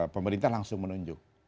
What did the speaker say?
pemerintah langsung menunjuk